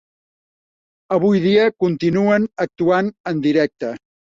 Avui dia, continuen actuant en directe.